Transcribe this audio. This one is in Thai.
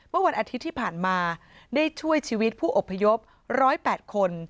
เมื่อวันอาทิตย์ที่ผ่านมาได้ช่วยชีวิตผู้อบพยพ๑๐๘คน